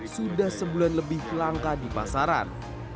sudah sebulan lebih langka di pasaran